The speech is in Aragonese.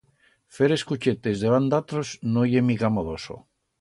Fer escuchetes debant d'atros, no ye mica modoso.